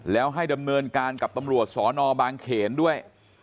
แล้วให้ดำเนินการกับตำรวจสอนอบางเขนด้วย